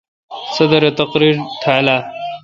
صدر اے°تقریر تھال اہ؟